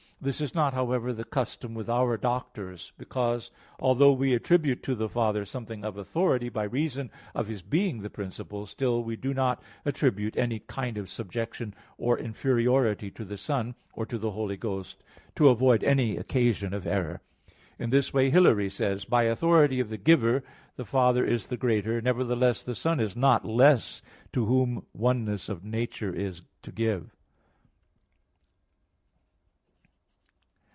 This is not, however, the custom with our Doctors; because, although we attribute to the Father something of authority by reason of His being the principle, still we do not attribute any kind of subjection or inferiority to the Son, or to the Holy Ghost, to avoid any occasion of error. In this way, Hilary says (De Trin. ix): "By authority of the Giver, the Father is the greater; nevertheless the Son is not less to Whom oneness of nature is give."